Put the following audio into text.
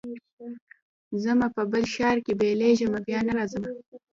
ځمه په بل ښار کي بلېږمه بیا نه راځمه